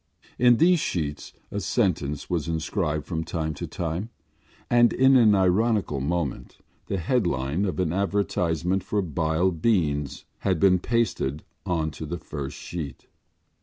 In these sheets a sentence was inscribed from time to time and, in an ironical moment, the headline of an advertisement for Bile Beans had been pasted on to the first sheet.